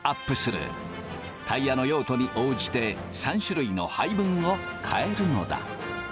タイヤの用途に応じて３種類の配分を変えるのだ。